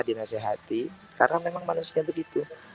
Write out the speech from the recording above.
dinasehati karena memang manusia begitu